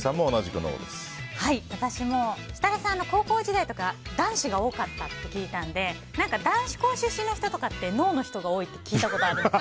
私も、設楽さんの高校時代とか男子が多かったって聞いたので男子高出身の人とかってノーの人が多いって聞いたことあるんです。